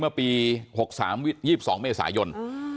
เมื่อปี๖๓๒๒เมษายน